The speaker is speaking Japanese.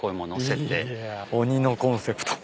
いや鬼のコンセプト。